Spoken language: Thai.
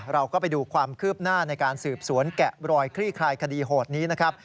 เราก็ไปดูความคืบหน้าในการสืบสวนแกะรอยคลี่คลายคดีโหดนี้นะครับ